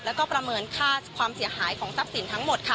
แล้วก็ประเมินค่าความเสียหายของทรัพย์สินทั้งหมดค่ะ